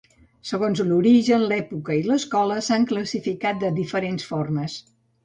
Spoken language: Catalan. Segons l'origen, l'època i l'escola s'han classificat de diferents formes.